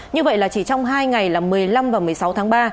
như vậy là chỉ trong hai ngày là một mươi năm và một mươi sáu tháng ba